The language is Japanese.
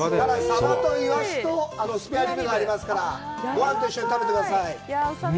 サバとイワシとスペアリブもありますから、ごはんと一緒に食べてください。